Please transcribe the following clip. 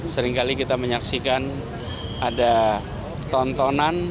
seringkali kita menyaksikan ada tontonan